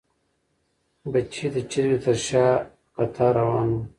بچي د چرګې تر شا په کتار روان وو.